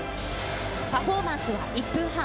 パフォーマンスは１分半。